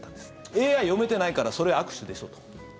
ＡＩ読めてないからそれ、悪手でしょと。